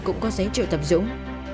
cũng có giấy trợ tập dũng